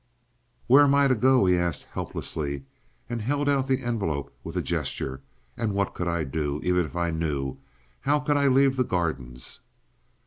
"Where am I to go?" he asked helplessly, and held out the envelope with a gesture; "and what could I do? Even if I knew— How could I leave the gardens?"